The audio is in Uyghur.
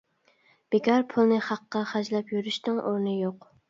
بىكار پۇلنى خەققە خەجلەپ يۈرۈشنىڭ ئورنى يوق.